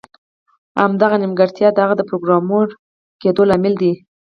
همدغه نیمګړتیا د هغه د پروګرامر کیدو لامل ده